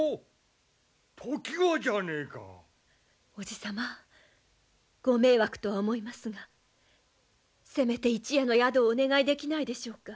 叔父様ご迷惑とは思いますがせめて一夜の宿をお願いできないでしょうか。